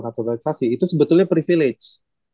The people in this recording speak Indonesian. naturalisasi itu sebetulnya privilege